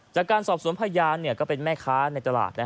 จากการสอบสวนพยานก็เป็นแม่ค้าในตลาด